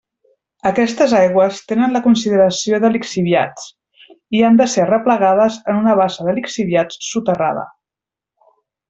Aquestes aigües tenen la consideració de lixiviats i han de ser arreplegades en una bassa de lixiviats soterrada.